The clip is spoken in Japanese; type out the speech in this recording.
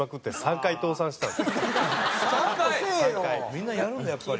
みんなやるんだやっぱり。